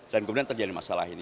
dan kemudian terjadi masalah ini